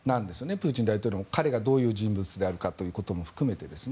プーチン大統領も彼がどういう人物であるかということも含めて。